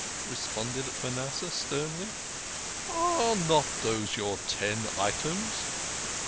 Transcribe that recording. " responded Manasseh sternly. " Are not these your ten items?